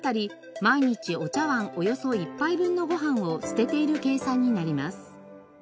毎日お茶碗およそ１杯分のご飯を捨てている計算になります。